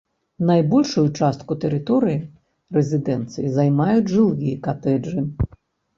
Найбольшую частку тэрыторыі рэзідэнцыі займаюць жылыя катэджы.